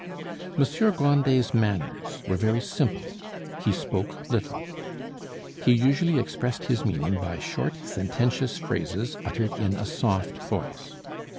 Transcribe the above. Monsieur Grandet's manners were very simple. He spoke little. He usually expressed his meaning by short sententious phrases uttered in a soft voice.